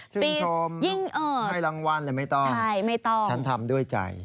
ชื่นชมให้รางวัลเลยไม่ต้องฉันทำด้วยใจใช่ไม่ต้อง